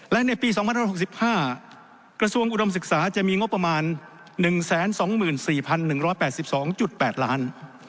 และในปี๒๑๖๕กระทรวงอุดมศึกษาจะมีงบประมาณ๑๒๔๑๘๒๘ล้าน